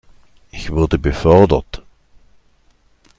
Ich wurde befördert.